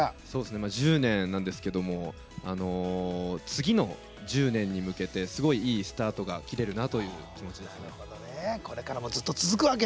１０年なんですが次の１０年に向けてすごいいいスタートが切れるなという気持ちですよね。